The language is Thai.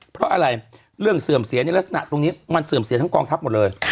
เพราะอะไรเรื่องเสื่อมเสียในลักษณะตรงนี้มันเสื่อมเสียทั้งกองทัพหมดเลย